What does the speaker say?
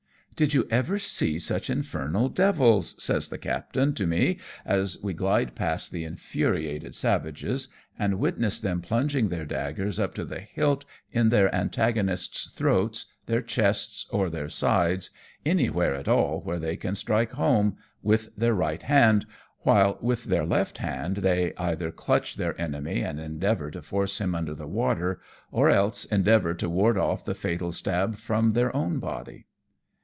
" Did you ever see such infernal devils ?" says the captain to me, as we glide past the infuriated savages, and witness them plunging their daggers up to the hilt in their antagonists' throats, their chests, or their sides, anywhere at all where they can strike home, with their right hand, while with their left hand they either clutch their enemy and endeavour to force him under the water, or else endeavour to ward oflF the fatal stab from their own body.